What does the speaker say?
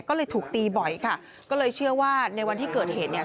ก็เลยถูกตีบ่อยค่ะก็เลยเชื่อว่าในวันที่เกิดเหตุเนี่ย